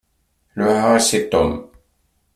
Luɛaɣ-as i Tom.